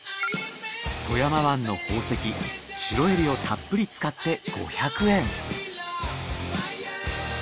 富山湾の宝石シロエビをたっぷり使って５００円。